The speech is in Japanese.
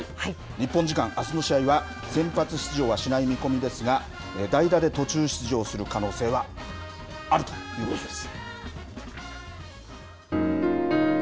日本時間あすの試合は、先発出場はしない見込みですが、代打で途中出場する可能性はあるということです。